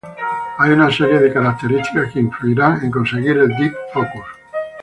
Hay una serie de características que influirán en conseguir el "deep focus".